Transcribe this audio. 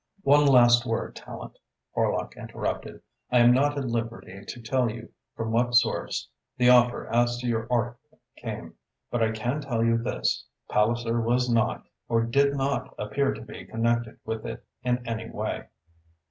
"One last word, Tallente," Horlock interrupted. "I am not at liberty to tell you from what source the offer as to your article came, but I can tell you this Palliser was not or did not appear to be connected with it in any way."